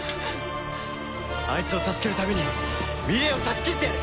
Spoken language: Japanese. あいつを助けるために未練を断ち切ってやれ！